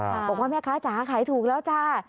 บอกว่าแม่ค้าจ๋าขายถูกแล้วจ้า